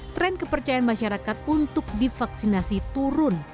tren kepercayaan masyarakat untuk divaksinasi turun